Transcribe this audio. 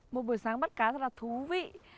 một buổi sáng bắt cá rất là thú vị